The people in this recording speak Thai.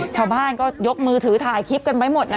ชาวบ้านก็ยกมือถือถ่ายคลิปกันไว้หมดนะ